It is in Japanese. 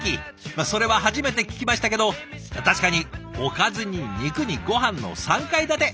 それは初めて聞きましたけど確かにおかずに肉にごはんの３階建て。